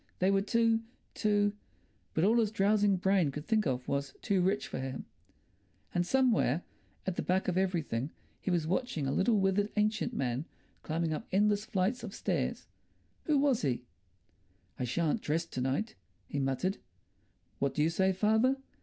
They were too... too.... But all his drowsing brain could think of was—too rich for him. And somewhere at the back of everything he was watching a little withered ancient man climbing up endless flights of stairs. Who was he? "I shan't dress to night," he muttered. "What do you say, father?"